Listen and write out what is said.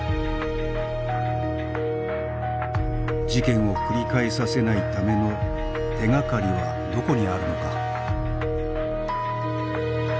事件を繰り返させないための手掛かりはどこにあるのか。